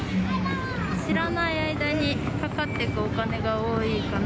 知らない間にかかってくお金が多いかな。